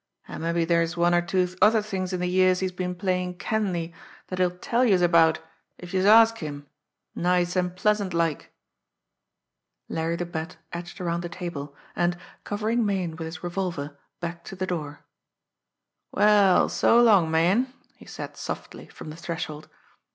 An' mabbe dere's one or two other things in de years he's been playin' Kenleigh dat he'll tell youse about, if youse ask him nice and pleasant like!" Larry the Bat edged around the table, and, covering Meighan with his revolver, backed to the door. "Well, so long, Meighan!" he said softly, from the threshold.